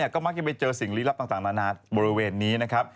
ก็มักจะไปเจอสิ่งลี้ลับต่างนานาบริเวณนี้นะครับ